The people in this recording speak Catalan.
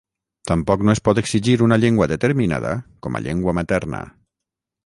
Tampoc no es pot exigir una llengua determinada com a llengua materna.